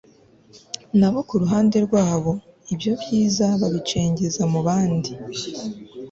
nabo ku ruhande rwabo ibyo byiza babicengeza mu bandi